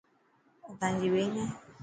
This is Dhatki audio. اوتانجي ٻين هي.